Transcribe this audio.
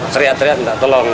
seriat seriat enggak tolong